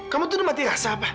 kamu tuh udah mati rasa apa